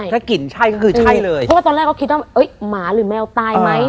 ถ้ากลิ่นใช่ก็คือใช่เลยเพราะว่าตอนแรกเขาคิดว่าหมาหรือแมวตายไหม